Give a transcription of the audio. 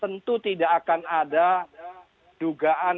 tentu tidak akan ada dugaan